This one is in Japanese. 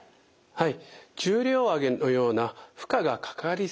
はい。